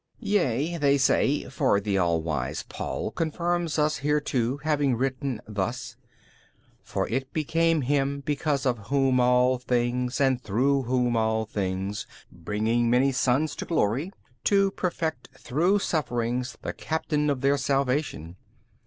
B. Yea, they say, for the all wise Paul confirms us hereto having written thus, For it became Him because of Whom all things and through Whom all things, bringing many sons to glory, to perfect through sufferings the Captain of their salvation.